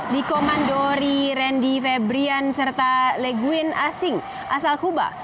liko mandori randy febrian serta leguin asing asal kuba